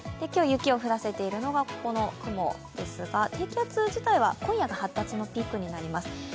雪を降らせているのがここの雲ですが、低気圧自体は今夜が発達のピークになります。